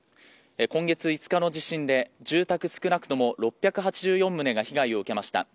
今月５日の地震で住宅、少なくとも６８４棟が被害を受けました。